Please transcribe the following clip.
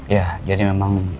ya jadi memang